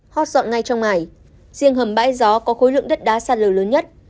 hót dọn ngay trong ngày riêng hầm bãi gió có khối lượng đất đá sạt lở lớn nhất